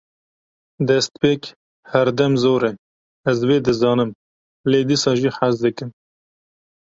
Destpêk herdem zor e, ez vê dizanim lê dîsa jî hez dikim